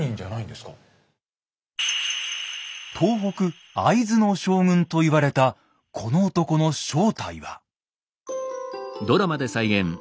東北会津の将軍と言われたこの男の正体は。